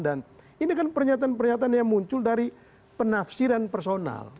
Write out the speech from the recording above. dan ini kan pernyataan pernyataan yang muncul dari penafsiran personal